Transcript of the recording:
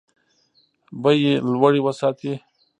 بیې لوړې وساتي.